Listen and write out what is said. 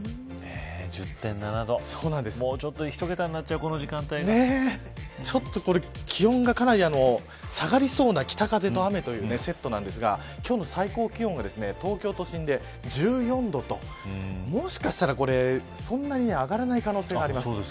もうちょっとでひと桁になっちゃう、こちょっとこれ気温がかなり下がりそうな北風と雨というセットなんですが今日の最高気温が東京都心で１４度ともしかしたら、これそんなに上がらない可能性があります。